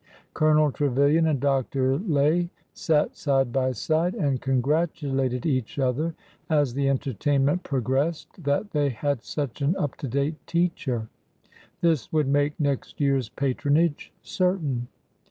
Colonel Trevilian and Dr. Lay sat side by side and congratulated each other, as the entertainment progressed, that they had such an up to date teacher. This would make next year's patronage certain.